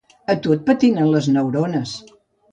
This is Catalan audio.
A tu et patinen les neurones